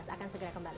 akan segera kembali